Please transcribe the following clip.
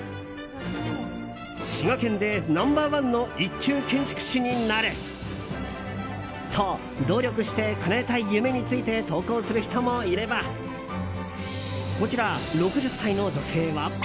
滋賀県でナンバー１の１級建築士になる！と、努力してかなえたい夢について投稿する人もいればこちら、６０歳の女性は。